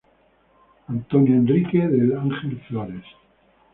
Antonio Enrique del Ángel Flores.